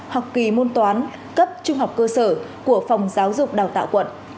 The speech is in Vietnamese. học kỳ môn toán cấp trung học cơ sở của phòng giáo dục đào tạo quận